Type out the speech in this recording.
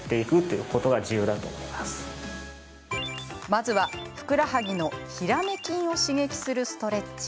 まずは、ふくらはぎのヒラメ筋を刺激するストレッチ。